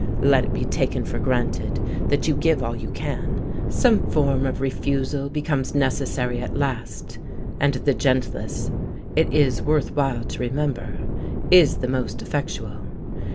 Let it be taken for granted that you give all you can; some form of refusal becomes necessary at last, and the gentlest it is worth while to remember is the most effectual.